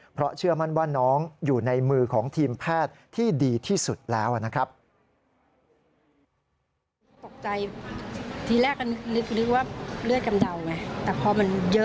เพราะเชื่อมั่นว่าน้องอยู่ในมือของทีมแพทย์ที่ดีที่สุดแล้วนะครับ